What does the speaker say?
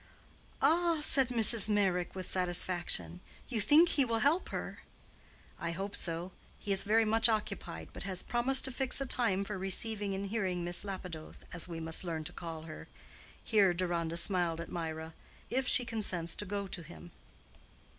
"Ah?" said Mrs. Meyrick, with satisfaction. "You think he will help her?" "I hope so. He is very much occupied, but has promised to fix a time for receiving and hearing Miss Lapidoth, as we must learn to call her"—here Deronda smiled at Mirah—"If she consents to go to him."